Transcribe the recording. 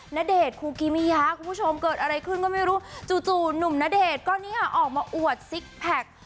ณเดชน์คูกิมิยาคุณผู้ชมเกิดอะไรขึ้นก็ไม่รู้จู่หนุ่มณเดชน์ก็เนี่ยออกมาอวดซิกแพค